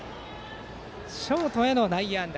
ショートへの内野安打